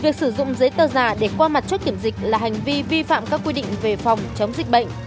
việc sử dụng giấy tờ giả để qua mặt chốt kiểm dịch là hành vi vi phạm các quy định về phòng chống dịch bệnh